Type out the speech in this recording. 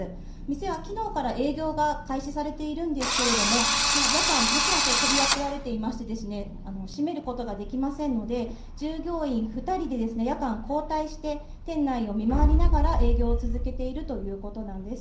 店はきのうから営業が開始されているんですけれども、夜間、もちろん扉、壊れていまして、閉めることができませんので、従業員２人で、夜間交代して、店内を見回りながら、営業を続けているということなんです。